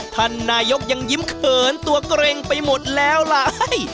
ท่านนายกยังยิ้มเขินตัวเกร็งไปหมดแล้วล่ะ